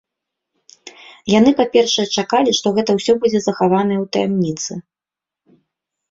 Яны, па-першае, чакалі, што гэта ўсё будзе захаванае ў таямніцы.